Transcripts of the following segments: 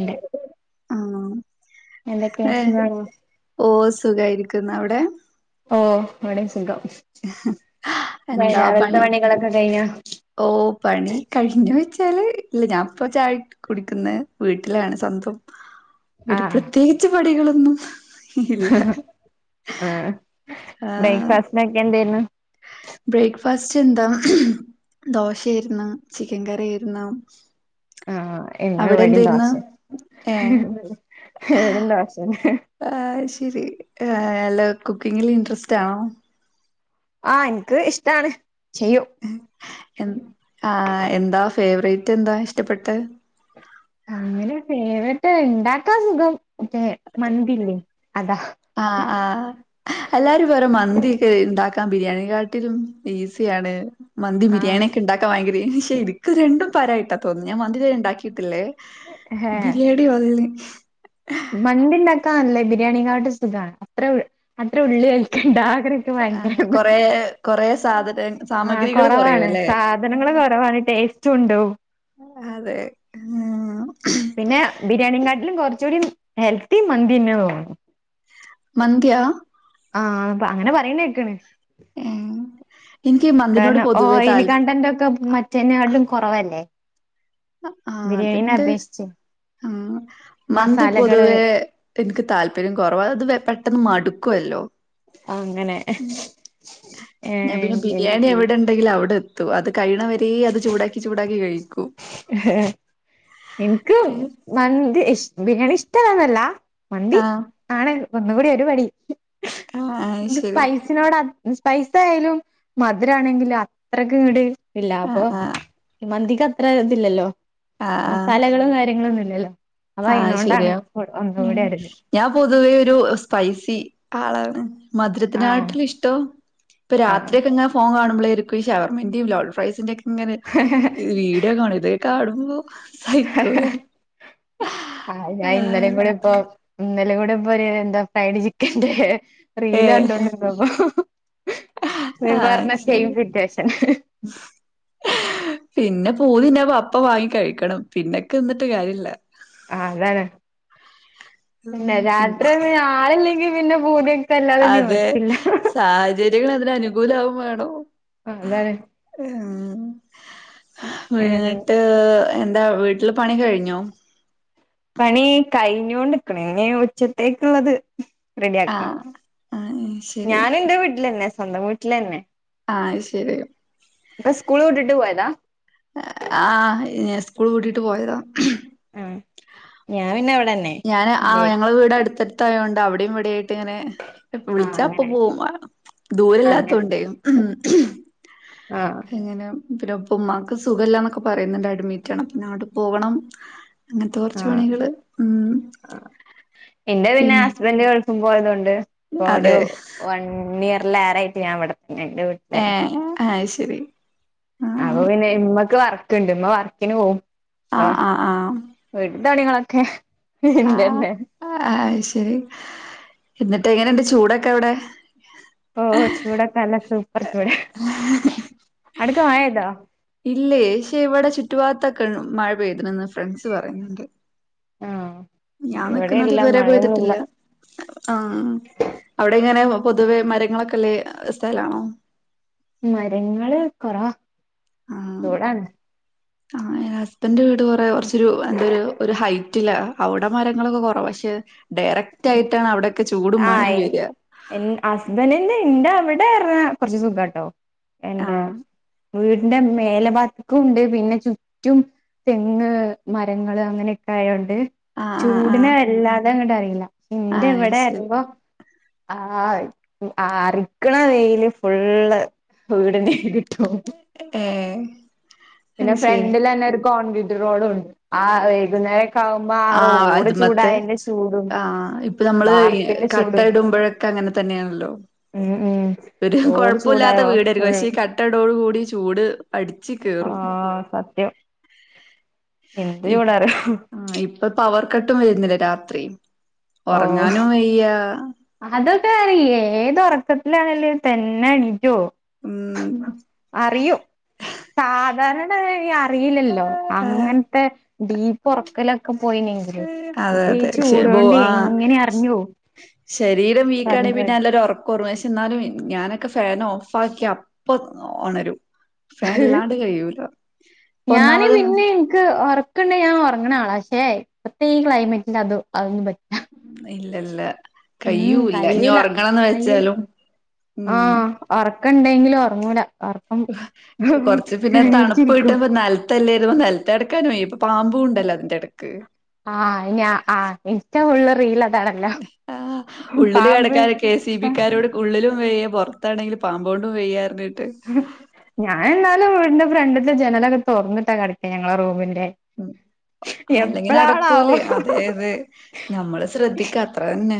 ണ്ട് ആ എന്തൊക്കെ ഏ സുഖാണോ ഓ സുഖായിരിക്കു [unintelligible] അവിടെ ഓ ബടെ സുഖം എന്താ രാവിലത്തെ പണി പണികളൊക്കെ കഴിഞ്ഞോ ഓ പണി കഴിഞ്ഞു [unintelligible] ച്ചാല് ഇല്ല ഞാൻപ്പ ചായ കുടിക്കുന്ന് വീട്ടിലാണ് സ്വന്തം [unintelligible] ആഹ് പ്രത്യേകിച്ച് പണികളൊന്നു [unintelligible] ആഹ് ആഹ് ബ്രേക്ക്ഫാസ്റ്റിനൊക്കെ എന്തേര്ന്നു? ഫസ്റ്റ് എന്താ ദോശായിര്ന്നു ചിക്കൻ കറിയായിര്ന്നു. ആഹ് ഇന്ന് വടിം ദോശേ ഏഹ് ഇവടിം ദോശെന്നെ. [unintelligible] അ് അല്ല കുക്കിങ്ങില് ഇൻട്രസ്റ്റാണോ? ആഹ് ഇൻക്ക് ഇഷ്ടാണ്. ചെയ്യും. എ ആഹ് എന്താ ഫേവറേറ്റെന്താ ഇഷ്ടപ്പെട്ടെ അങ്ങനെ ഫേവററ്റ് ഇണ്ടാക്കാ സുഖം മറ്റേ മന്തില്ലേ അതാ ആഹ് ആഹ് അല്ലാരും പറിം മന്തിക്കെ ഇണ്ടാക്കാൻ ബിരിയാണി കാട്ടിലും ഈസിയാണ്. മന്തിം ആഹ് ബിരിയാണിയെക്കെ ഇണ്ടാക്കാ ഭയങ്കര [unintelligible] പക്ഷേ ഇൻക്ക് രണ്ടും പാരയിട്ടാ തോന് ന്ന ഞാൻ [unintelligible] ഉണ്ടാക്കിയിട്ടില്ലേ? ബിരിയാണി [unintelligible] മന്തിണ്ടാക്കാനല്ലേ ബിരിയാണി കാട്ടിലും സുഖാണ് അത്ര ഉ അത്ര ഉള്ള് ദാ ആ കൊറെ കൊറെ സാധന ആഹ് സാമഗ്രികൾ കൊറയു കൊറവാണ് അല്ലെ, സാധനങ്ങള് കൊറവാണ് ടേസ്റ്റുണ്ടാവും അതെ. പിന്നെ ബിരിയാണികാട്ടിലും കുറച്ചൂടി ഹെൽത്തി മന്തിന്നെ തോന്നുന്നു. മന്ത്യാ ആ അത അങ്ങനെ പറയുന്നേക്കണ്. ഏം കാരണം, ഓയലികണ്ടന്റൊക്കെ മറ്റനേകാട്ടിലും കുറവല്ലേ? [unintelligible] ആ ബിരിയാണീനെ അതിന്റെ അപേക്ഷിച്ച് ആ മന്തി മസാലകള് പൊതുവേ എനിക്ക് താല്പര്യം കുറവാ അത് പെട്ടെന്ന് മടു ക്കുവല്ലോ? അങ്ങനെ ഏ എ ഉണ്ടെങ്കിൽ അവിടെ എത്തും, അത് കഴിണവരേ അത് ചൂടാക്കി ചൂടാക്കി കഴിക്കും. എനിക്ക് പിന്നെ മന്തി ഇഷ് ബിരിയാണി ഇഷ്ടല്ലന്നല്ല. മന്തി, ആഹ് ആണ്. ഒന്ന്കൂടി ഒരുപടി. ആഹ് ആഹ് ൻ്റെ ശരി സ്പൈസിനോടാ അ സ്പൈസ് ആയാലും മധുരാണെങ്കിലും അത്രക്ക് ഇങ്ങട് ഇല്ല അപ്പൊ ആഹ് ആഹ് ഈ മന്തി ഇത്ര ഇതില്ലല്ലോ മസാലകളും കാര്യങ്ങളും നി [unintelligible] ആ ശരിയാ അരുത് ഞാൻ പൊതുവേ ഒരു സ്പൈസി ആളാണ് ആഹ് മധുരത്തിനായിടുള്ള ഇഷ്ടോ ഇപ്പൊ ആഹ് രാത്രി പിന്നെ ഫോൺ കാണും നമ്മളിരിക്കു ഈ ഷവർമന്റയും ലോൾ ഫ്രൈസിന്റെക്കെ ഇങ്ങനെ വീഡിയോ കാണത് കണുമ്പോ സൈക്കുല ആ ഞാൻ ഇന്നലെ കൂടെ ഇപ്പോ ന്നല കൂടെ പോയാ എന്താ ഫ്രൈഡ് ചിക്കന്റെ റീല് ഏഹ് കണ്ടോണ്ടിരുന്നപ്പോ നീ ആഹ് പറഞ്ഞ സെയിം ശരി സിറ്റുവേഷൻ പു പിന്നെ പപ്പ വാങ്ങി കഴിക്കണം പിന്നെക്കെ എന്നിട്ട് കാര്യഇല്ല ആ അതാണ് പിന്നെ രാത്രി പിന്നെ ആളില്ലെങ്കിൽ പിന്നെ പൂതി ഇതല്ലാതെ നീവർത്തില്ല ജീവിതം അതിന് അനുകൂലാവുമാണം ആഹ് അതാണ് ആഹ് ഏഹ് വീന്ന്ട്ട് എന്താ വീട്ടില് പണി കഴിഞ്ഞൊ പണി കഴിഞ്ഞോണ്ട്ക്ക്ണ് ഇനി ഉച്ചത്തേക്ക്ള്ളത് റെഡിയാക്കണം ആഹ് ആഹ് ശരി ഞാന് ഇന്റെ വീട്ട്ലന്നെ സ്വന്തം വീട്ടിലന്നെ ആഹ് ശരി ഇപ്പ സ്കൂള് വിട്ടിട്ട് പോയതാ ആഹ് ഞാൻ സ്കൂൾ വിട്ടിട്ട് പോയതാ ആഹ് ഞാൻ പിന്നെ വ് ഞാൻ ആഹ് ഞങ്ങള വീട് അടുത്തട് ത്തയോണ്ട് അവിടെം ഇവിടേം ത്തിങ്ങനെ എപ്പ ആഹ് വിളിച്ചാ അപ്പ അങ്ങനെ പോവുമാണം അങ്ങനെ ദൂരല്ലാത്തോണ്ടേ ആഹ് എങ്ങനെ മ് പിന്നെ ഇപ്പ ഇമ്മാക്ക് സുഖല്ലാന്നൊക്കെ പറയ്ന്ന്ണ്ട് അഡ്മിറ്റാണ് പിന്നെ ആട പോവണം അങ്ങത്തെ കൊറച്ച് ആഹ് പണികള് ഉം എന്റെ പിന്നെ പിൻ ഹസ്ബൻഡ് ഗൾ പോയത [unintelligible] ഒരു അതെ വൺ ഇയ ല്ലേരായിട്ട് ഞാനിവ [unintelligible] വീട്ട [unintelligible] അത്ശരി അ [unintelligible] വർക്കുണ്ട് ഉമ്മ വർക്കിന് പോകും ആ ആ [unintelligible] വീട്ടത്തെ പണികളൊക്കെ ഹാ ഇന്റെന്നെ ആ [unintelligible] ശരി എന്നിട്ട് എങ്ങനുണ്ട് ചൂടൊക്കെ അവിടെ ഓ ചൂടൊക്കെ അല്ല സൂപ്പർ ചൂട് അടുക്ക ആയതാ ഇല്ലേ ശ്ശെ ഇവിടെ ചുറ്റുഭാഗത്തെ മഴ പെയ്തിന്ന് ഫ്രണ്ട്സ് പറയുന്നുണ്ട് ആഹ് ഞാൻ നിക്കുന്നത് ഇവിടെയില്ല ഇതുവരെ മഴയൊന്നുല്ല പോയ്തിട്ടില്ല ആഹ് അവിടെ ഇങ്ങനെ പൊതുവെ മരങ്ങളൊക്കെല്ലേ സ്ഥലാണോ മരങ്ങള് കൊറാ ചൂടാണ് ആഹ് ഹസ്ബൻഡ് അതു [unintelligible] കുറച്ചൊരു എന്തൊരു ഹൈ റ്റില്ല അവിടെ മരങ്ങളൊക്കെ കൊറവ പക്ഷേ ആ [unintelligible] വരിക ഹസ്ബന്റിന്റെ ഇണ്ടാവി [unintelligible] കുറച്ചു സുഖാട്ടോ എന്റെ ആഹ് വീടിന്റെ മേലേഭാഗത്തും ഉണ്ട് പിന്നെ ചുറ്റും തെങ്ങ് മരങ്ങള് അങ്ങനെയൊക്കെ ആയോണ്ട് ആ ആ ആ ചൂടിനെ വല്ലാതങ്ങോട്ട് അറി ആ എന്റെ അത് ഇവിടെ ശരി അർയുമ്പോ ആ ആഹ് അറിക്കണ് വെയില് ഫുള്ള് വീടിന്റെ കിട്ടും ഏ പിന്നെ ഫ്രണ്ടില് തന്നെ ഒരു കോൺഗ്രീ റോഡുണ്ട് ആ വൈകുന്നേരം ആ അത് മത്തേ ചൂടും ആഹ ഇപ്പൊ നമ്മള് വാർപ്പിന്റെ കട്ട ചൂടും ഇടുമ്പോഴൊക്കെ അങ്ങനെ തന്നെയാണല്ലോ ഉം ഉം ഒരു റോഡ് കുഴപ്പില്ലാത്ത ചൂടായോ വീടാരിക്കും ഫുൾ പക്ഷേ ഈ കട്ട ഇടോടു കൂടി ചൂട് അടിച്ച് ആ കേറും സത്യം എന്ത് ചൂടാറിയോ ആഹ് ഇപ്പൊ പവർ കട്ടും വരുന്നില്ലെ രാത്രി ഓ ഉറങ്ങാനും വയ്യ അതൊക്കെ അറിയ്യാ ഏത് ഉറക്കത്തിലാണെലും തന്നെ എണീ ക്കും ഉം അറിയും സാധാരണ [unintelligible] അറിയില്ലല്ലോ അങ്ങനത്തെ ഡീപ് ഉറ [inaudible] പോയിനെങ്കില് അതെ ഇത് ഈ അതെ ശെ ബോ ചൂടുകൊണ്ട് ആഹ് എങ്ങനെ അറിഞ്ഞോവും ശരീരം വീക്കാണെങ്കിൽ പിന്നെ നല്ലൊരു ഉറ [unintelligible] എന്നാലും ഞാനൊക്കെ ഫാൻ ഓഫ് ആക്കിയാ അപ്പൊ ഉണരും ഇപ്പൊ ഞാന് ഒന്നാമത് പിന്നെ എനിക്ക് ഉറക്കണ്ടേ ഞാൻ ഉറങ്ങണ ആളാ പക്ഷേ ഇപ്പൊത്തെ ഈ ക്ലൈമറ്റിൽ അതും അതൊന്നും പറ്റൂല ഇല്ലില്ല കയ്യൂല്ല ഇനി ഉറങ്ങണന്ന് കഴിയൂല വെച്ചാലും ഉം ആഹ് ഒറക്കണ്ടെങ്കിലും ഉറങ്ങൂല കൊറച്ച് പിന്നെ തണുപ്പ് എണീച്ചിരിക്കും കിട്ടുമ്പോമ ന നിലത്തല്ലായിരുന്നു നിലത്തെടക്കാനും വയ്യ ഇപ്പൊ പാമ്പും ഉണ്ടല്ലോ അതിന്റെ ഇടക്ക് ആ ഇ ആ ഇൻസ്റ്റ ഫുള്ള് റീലാ ആ ഉള്ളിൽ കിടക്കാനൊക്കെ കെ എസ് ഇ സി ബിക്കാരോട് ഉള്ളിലും [inaudible] പുറത്താണെങ്കിൽ പാമ്പോണ്ടും വയ്യാർഞ്ഞിട്ട് ഞാൻ എന്നാ വീടിന്റെ ഫ്രണ്ടിത്തെ ജനലൊക്കെ തുറന്നിട്ടാ കിടക്കാ ഞങ്ങള് റൂമില് ഉം അല്ലെങ്കിൽ നടക്കൂലേ അതെ അതെ ഞമ്മള് ശ്രദ്ധിക്ക അത്ര തന്നെ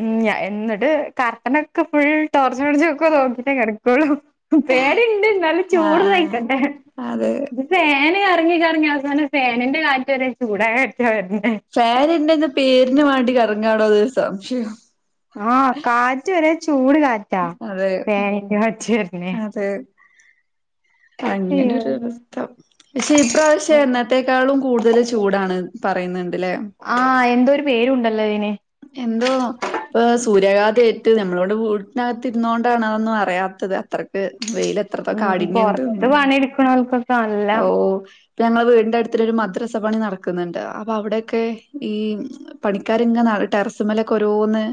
ഉം എന്നിട്ട് കർട്ടനൊക്കെ ഫുൾ ടോർച്ചടിച്ചൊക്കെ നോക്കിട്ടേ കിടക്കുള്ളൂ പേടി ഇണ്ട് എന്നാലും ആഹ് ചൂട് ആഹ് സഹിക്കണ്ടെ അതെ ഇത് ഫാന് കറങ്ങി കറങ്ങി അവസനം ഫാനിന്റെ കാറ്റ് വരെ ചൂട് കാറ്റ കാറ്റാ വരുന്നേ ഫാനുണ്ടെന്ന് പേരിന് വേണ്ടി കറങ്ങാടോ അത് സംശ്യയം ആ കാറ്റ് വരെ ചൂട് കാറ്റാ അതെ ഫാനിന്റെ കാറ്റ് വരണേ അതെ അയ്യോ അങ്ങനൊരു അവസ്ഥ പക്ഷെ ഇപ്രവശ്യം എന്നത്തെക്കാളും കൂടുതല് ചൂടാണ് പറയുന്നുണ്ട് ആഹ് എന്തോരു പേരുണ്ടല്ലോ അതിന് സൂര്യാഘാത ഏറ്റ് നമ്മളിവ്ടെ വീട്ടിനകത്ത് ഇരുന്ന കൊണ്ടാണ് അതൊന്നും അറിയാത്തത് ത്രക്ക് ഉം പൊറത്ത് പണി എടുക്കണോൽക്കൊക്കെ നല്ല ഓഹ് ഇപ്പ ഞങ്ങള് വീടിന്റെ അടുത്തൊരു മദ്രസ പണി നടക്കുന്നുണ്ട് അപ്പൊ അവിടെക്കെ ഈ പണിക്കാരങ്ങെ ടെറസുമലൊക്കെ ഓരോന്ന്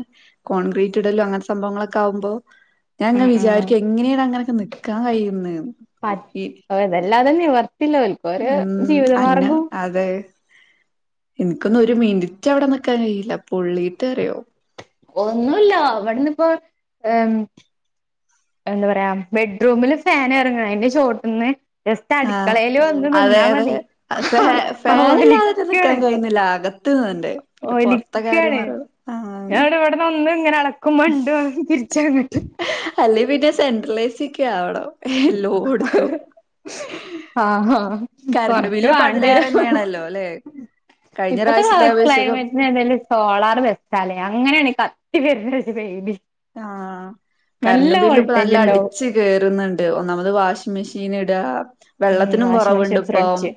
കോൺക്രീറ്റ് ഇടലോ അങ്ങനെത്തെ സംഭവങ്ങളൊക്കെ ആവുമ്പോ ഞാങ്ങ വിചാരിക്ക എങ്ങനെയാണ് അങ്ങനൊക്കെ നിൽക്കാൻ കഴിയുന്നെന്ന് പറ്റ ഇതെല്ലാതെ നിവർത്തില്ല ഒൾക്കൊരു ഉം അന്ന ജീവിതമാർഗവും അതെ എനിക്കൊന്നും ഒരു മിനിറ്റ് അവിടെ നിക്കാൻ കഴിയില്ല പൊള്ളീട്ട് അറിയോ ഒന്നുല്ല അവിടന്ന് ഇപ്പോ എ എന്താ പറയാ ബെഡ്റൂമില് ഫാൻ ഇറങ്ങണം അതിന്റെ ചോട്ട്ന്ന് ആ അതെ അതെ ഫ ഫാ ആഹ് നില്ലാതെെ നിക്കാൻ ഒലിക്കാണ് കഴിയുന്നില്ല ആക ഒലിക്കാണ് ആഹ് ഞാൻ ഇവ്ടെവിടെ ഒന്ന് ഇങ്ങനെ അളകുമ്പണ്ട് തിരിച്ചന്ന് ഹ്ഹ അല്ലെ പിന്നെ സെൻട്രലൈസി ഒക്കെ ആവണം എല്ലോട്ത്തും ആഹാ കറണ്ട് കൊറച്ച് ബില്ല് ഇപ്പ വാണ്ടി വരും. അതിലേറെന്നെയാണല്ലോ ല്ലെ കഴിഞ്ഞ ഇപ്പത്തെ പ്രാവശ്യത്തെ അപേക്ഷക്ക് ക്ലൈമറ്റിന ഏതാലും സോളാർ ബെസ്റ്റാല്ലേ അങ്ങനേണ് കത്തി [unintelligible] വെയില് ആഹ് നല്ല കറണ്ട് ബില്ല് ഇപ്പ നല്ല വോൾട്ടേജ് ഉണ്ടാവും അടിച്ച് കേറ്ന്ന്ണ്ട്. നമ്മള് വാഷിംഗ് മെഷീൻ ഇടാ ഉം വെള്ളത്തിനും വാഷിംഗ് കുറവുണ്ട് മെഷീൻ ഇപ്പം. ഫ്രിഡ്ജ്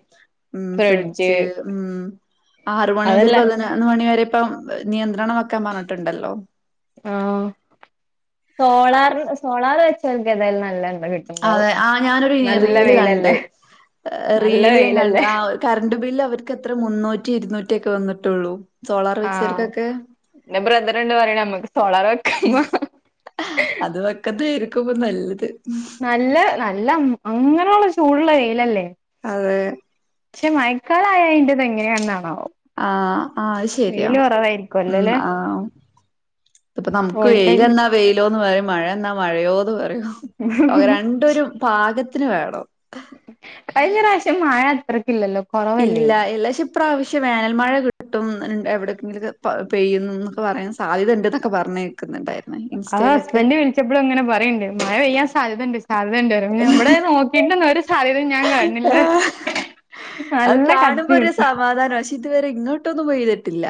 ഉം ഫ്രിഡ്ജ്. ഉം ആറ് മണി മുതൽ അതല്ല പതിനൊന്ന് മണി വരെ പ്പം നിയന്ത്ര് ണം വെക്കാൻ പറഞ്ഞിട്ട്ണ്ടല്ലോ. ആഹ് സോളാർ സോളാർ വെ [unintelligible] നല്ല എണ്ണ കിട്ടുണ്ടാവും അതെ ആ ഞാനൊരു നല്ല റീല് കണ്ട്. വെയിലല്ലേ നല്ല റീല് ഞാൻ കണ്ട് വെയിലല്ലേ ആ കറണ്ട് ബില്ല് അവർക്ക് എത്ര മുന്നൂറ്റി ഇരുനൂ റ്റിയൊക്കെ വന്നിട്ടൊള്ളൂ. ആഹ് ൻ്റെ ബ്രദറിണ്ട് പറിണമ്മക്ക് സോളാർ വെക്കമ്മാ ക്കുമ്പം നല്ലത് നല്ല നല്ല അങ്ങനള്ള ചൂടുള്ള വെയിലല്ലേ. അതെ പക്ഷെ മയക്കാലായാ ഇത് എങ്ങനെയാന്നാ ആ ആ അഹ് ശരിയാ കുറവായിരിക്കുവല്ലോ ഉം അല്ലെ ആ ഇത്പ്പൊ നമുക്ക് വോൾട്ടേജ് വെയിലന്നാ വെയിലോന്ന് പറയും മഴ വന്നാ മഴയോത് പറ രും അപൊ രണ്ടൊരൂ പാകത്തി ത്തിന് വേണോ കഴിഞ്ഞറാശ്യം മഴ അത്രക്കില്ലല്ലോ ഇല്ല കുറവല്ലേനു എല്ലാക്ഷിപ്രാവശ്യം വേനാൽ മഴ കി ട്ടും ന്ന് ൺ എവിടെക്കെങ്കിലും പ പെയ്യുന്നു ന്ന് പറയാൻ സാധ്യതണ്ട്ന്നൊക്കെ പറഞ്ഞേക്കുന്നുണ്ടായിരു ആ ഹസ്ബന്റ് വിളിച്ചപ്പോഴും അങ്ങനെ പറയ്ണ്ട് മഴ പെയ്യാൻ സാധ്യണ്ട് സാധ്യതണ്ട് വറെം പിന്നെ ബടെ നോക്കിട്ടന്ന ഒരു സാധ്യത ഞാൻ കാണണില്ല ആഹ് നല്ല കട്ടി വെക്ക തുവരെ ഇങ്ങോട്ടൊന്നും പെയ്തിട്ടില്ല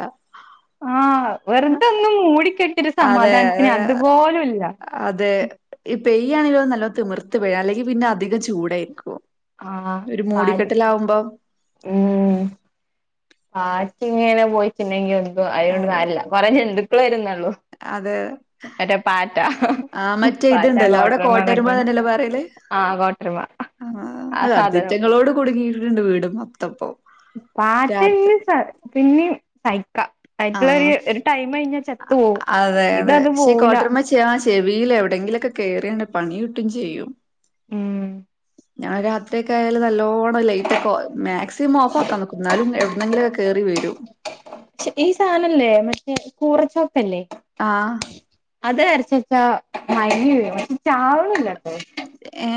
ആ വെറുതൊന്നും മൂടിക്കെ ട്ടി ടൊരു അതെ സമാധാൻത്തിന് അതുപോലുല്ല അതെ ഈ പെയ്യാണെങ്കിലോ നല്ലോ തിമിർത്ത് പെയ്യാ അല്ലെങ്കി പിന്നെ അധികം ചൂടായിരിക്കോ ആഹ് ഒരു പാട് മൂടിക്കെട്ടലാവുമ്പോ ഉം [unintelligible] അപ്പ അതിനൊണ്ട് അതെ കാര്യല്ല കുറേ [unintelligible] മക്കളരുന്നള്ളൂ അതെ ആഹ് മറ്റേ പാറ്റ ഇതുണ്ടല്ലോ അവിടെ കോട്ടരുമാ കോട്ടർമാനൊക്കെ തന്നെയല്ലോ പറയലേ ആഹ് കോട്ടർമാൻ ആ ആഹ് സാധനം അതിറ്റങ്ങളോട് കുടുങ്ങിട്ടുണ്ട് വീട് മൊത്തപ്പം പിന്നെ പിന്നെ സ ആയിട്ടുള്ള ആഹ് ഒരു ടൈം ചത്തു പോവും അതെ അതെ ഇതത് പക്ഷേ ഈ പോവൂല കോട്ടർമച്ചി ആ ചെവിയിൽ എവിടെങ്കിലൊക്കെ കയറിയാൽ പണി കിട്ടും ചെയ്യും ഉം ഞാൻ രാത്രിയൊക്കെ ആയാലും നല്ലോ നല്ലോണോ ലൈറ്റ് ഒക്കെ മാക്സിമം ഓഫ് ആക്കാൻ നോക്കും എന്നാലും എവിടു ഒന്നെങ്കിലൊക്കെ കേറി വരു കുറ ചൊ [unintelligible] ആഹ് അത് അരച്ച [unintelligible] മൈങ്ങി വീഴും പക്ഷെ ചാവ്ണില്ല ഏ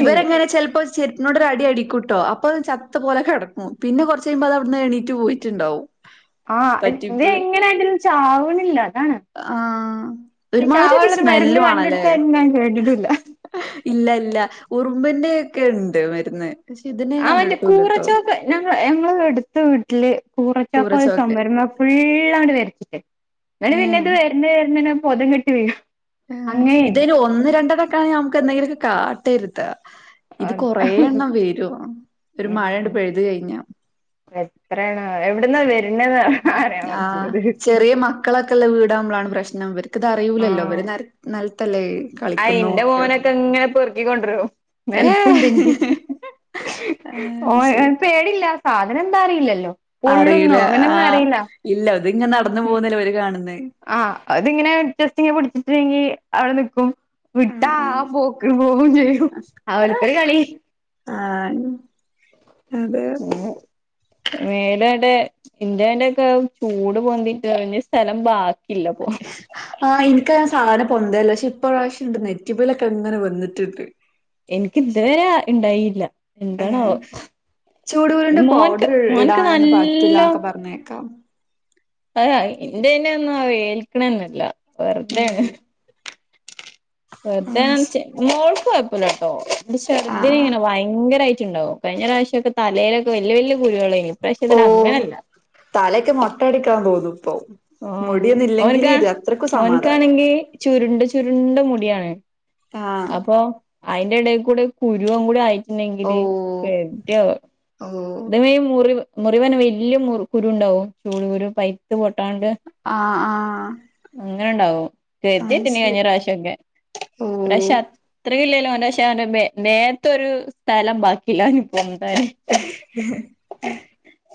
ഇവരെങ്ങനെ ചെൽപ്പോ ചെ [unintelligible] അടി അടിക്കുട്ടോ അപ്പൊ ചത്ത പോലെ കെടക്കും പിന്നെ കൊർച്ച് കയ്മ്പോ അതവിടുന്ന് എണീറ്റ് പോയിറ്റ്ണ്ടാവും ആഹ് ഇത് എങ്ങനെ ചാവ്ണില്ല ആഹ് ഒരുമാതിരി ഒരു ചാവാനുള്ളൊരു മരുന്ന് സ്മെല്ലു ആണല്ലേ കണ്ടെടുത്തതായിട്ട് ഞാൻ കേട്ടിട്ടുല്ല ഇല്ല ഇല്ല ഉറുമ്പിന്റെ ക്കെ ണ്ട് മര്ന്ന് അവന്റെ കൂറച്ചോക്ക് ഞങ്ങ ഞങ്ങള് എടുത്ത വ് ട്ട്ല് കുറചോക്ക് കൂറച്ചൊക്കെ ചൊമര്മ ഫുള്ളണ്ട് വരച് വന് പിന്നെ ഏഹ് ഇത് വര്ന്ന് വര്ന്നേരം ബോധം കെട്ടി വീഴും ആ അങ്ങനെയും ഇതയ്ന് ഒന്ന് രണ്ടെണ്ണ ക്കണേ നമ്ക്ക് എന്തെങ്കിലൊക്കെ കാട്ടെരുത്ത അ ഒരു ഉ മഴയണ്ട് പെയ്ത് കഴിഞ്ഞാ എത്രയാണ് എവിടുന്നാ വ ആഹ് ചെറിയ മക്കളൊക്കെള്ള വീടാവുമ്പളാണ് പ്രശ്ന നംവര് ക്ക്ത് അറിയൂലല്ലോ അവര് നെൽ നെൽ തലേ അയിന്റെ മോനൊക്കെ ങ്ങനെ പെർക്കിക്കൊണ്ടുരു നല്ലണ്ടെങ്കി ഏഹ് ഓ ആഹ് ന് പേടില്ല സാധനം എന്താ അറിയില്ലല്ലൊ അറിയില ആ ഇല്ല അത് ഇങ്ങൻ നടന്നു ഉം പോകുന്നല്ലെ വര് കാണുന്നെ ആഹ് അതിങ്ങനെ ജസ്റ്റ് ങ്ങെ പിടിച്ചിട്ടെങ്കി അവിടെ നിക്കും ആഹ് വിട്ടാ ആ ആഹ് പോക്ക് പോകും ചെയ്യും അവര്ക്ക് ഒര് കളി ആഹ് അതെ മേലെടെ ഇന്റെന്റെക്കെ ചൂട് പൊന്തിട്ട് ഞ്ഞി സ്ഥലം ബാക് ആഹ് ഇനിക്കന സാന പൊന്തല്ല ശ് ഇ പ്രാവശ്യ ണ്ട് നെറ്റിമലൊക്കെ ങ്ങനെ വന്നിട്ട്ണ്ട് എനിക്ക് ഇതുവരെ ഉണ്ടായി ഇല്ല ഏ ചൂടു കൂടിന്റെ മോൻക്ക് പൗഡർ മോൻക്ക് ഇടാനൊന്നന്ന് പറ്റില്ല എന്നൊക്കെ പറഞ്ഞേക്കാം അത എന്റെേന്നെ ഒന്നും വേൽിക്കണന്നല്ല വെറുതൊണ് [unintelligible] [unintelligible] ആഹ് ശ കുഴപ്പമില്ല കേട്ടോ ഇ ശെർദ്ദ ആഹ് ഇങ്ങനെ ഭയങ്കര കുഴിണ്ടാവോഴിഞ്ഞ പ്രാവശ്യം ഒക്കെലയിലൊക്കെ വല വലിയ കുഴികളും ഓ തലേക്ക് മൊത്തം- മേടിക്കാൻ പോന്നുന്നു ഇപ്പോ ഓ ഓനക്ക സമാധാനം ഓനക്കാണെങ്കി ചുരുണ്ട് ചുരുണ്ട മുടി- എയാണ് ആഹ് അപ്പൊ അതിന്റെ ഇടയിൽ കൂടെ കുരുവുംം കൂടി ആയി് എന്നാങ്കില് ഓഹ് കേട്ട ഓഹ് ഇ മെയ മൂറിവ് മുറിവ് തന്നെ വലിയ കുരു ഉണ്ടാവും ചൂട് കുരു പൈപ്പ- ട്ടണ്ട് ആഹ് ആഹ് അങ്ങനെണ്ടാവും അത് കതിത്തിന്ന ശരി കഴിഞ്ഞ പ്രാവശ്യംൊക്കെ പ്രശ അത്രല്ലലോ പ ക്ഷെ നേത്തരു സ്ഥലം ബാക്കില്ല ഇപ്പം [unintelligible] ഉം